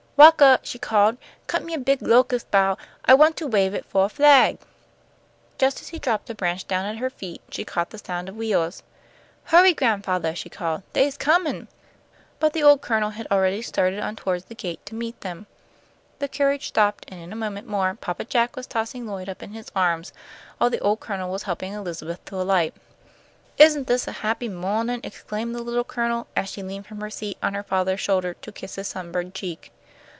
"Walkah," she called, "cut me a big locus' bough. I want to wave it fo' a flag!" Just as he dropped a branch down at her feet, she caught the sound of wheels. "Hurry, gran'fathah," she called; "they's comin'." But the old Colonel had already started on toward the gate to meet them. The carriage stopped, and in a moment more Papa Jack was tossing Lloyd up in his arms, while the old Colonel was helping Elizabeth to alight. "Isn't this a happy mawnin'?" exclaimed the Little Colonel, as she leaned from her seat on her father's shoulder to kiss his sunburned cheek.